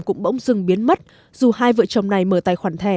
cũng bỗng dừng biến mất dù hai vợ chồng này mở tài khoản thẻ